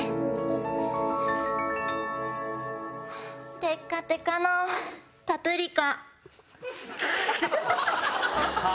テッカテカのパプリカ。